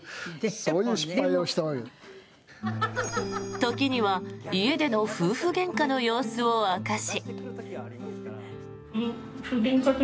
時には家での夫婦げんかの様子を明かし。